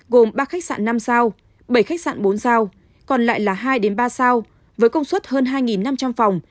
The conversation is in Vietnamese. gồm ba khách sạn năm sao bảy khách sạn bốn sao còn lại là hai ba sao với công suất hơn hai năm trăm linh phòng